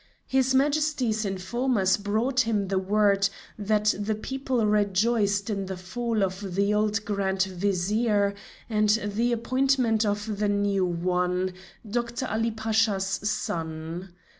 His Majesty's informers brought him the word that the people rejoiced in the fall of the old Grand Vizier, and the appointment of the new one, Doctor Ali Pasha's son.